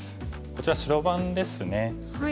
こちら白番ですね。